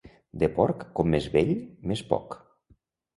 De porc, com més vell, més poc.